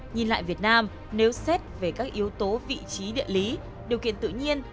nhìn lại việt nam nếu xét về các yếu tố vị trí địa lý điều kiện tự nhiên